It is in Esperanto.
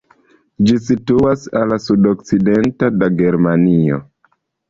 Ĝi situas al la sudokcidenta da Germanio.